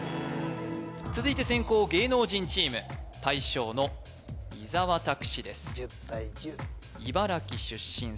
続いて先攻芸能人チーム大将の伊沢拓司です